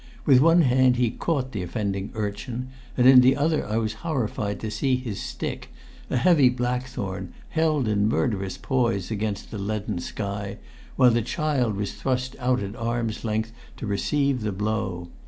With one hand he caught the offending urchin, and in the other I was horrified to see his stick, a heavy blackthorn, held in murderous poise against the leaden sky, while the child was thrust out at arm's length to receive the blow.